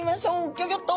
ギョギョッと！